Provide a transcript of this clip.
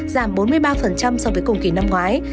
giảm bốn mươi ba so với cùng kỳ năm ngoái